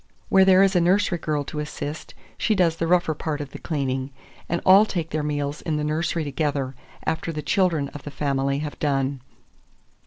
Where there is a nursery girl to assist, she does the rougher part of the cleaning; and all take their meals in the nursery together, after the children of the family have done.